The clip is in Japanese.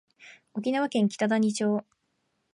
沖縄県北谷町